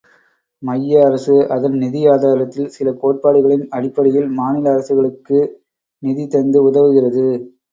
மைய அரசு, அதன் நிதி ஆதாரத்தில் சில கோட்பாடுகளின் அடிப்படையில் மாநில அரசுகளுக்கு நிதி தந்து உதவுகிறது.